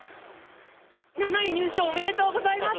７位入賞おめでとうございます。